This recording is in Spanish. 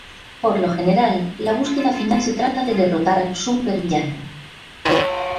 Por lo general, la búsqueda final se trata de derrotar al súper villano.